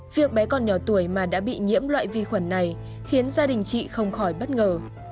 việc bé con nhỏ tuổi mà đã bị nhiễm loại vi khuẩn này khiến gia đình chị không khỏi bất ngờ